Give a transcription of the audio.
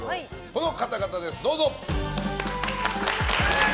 この方々です、どうぞ！